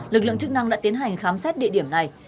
lực lượng chức năng đã tiến hành khám xét địa điểm này